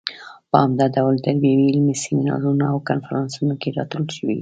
په عمده ډول تربیوي علمي سیمینارونو او کنفرانسونو کې راټولې شوې.